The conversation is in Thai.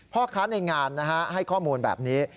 เพราะครั้งในงานนะฮะให้ข้อมูลแบบนี้